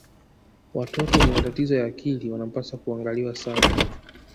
watoto wenye matatizo ya akili wanapaswa kuangaliwa sana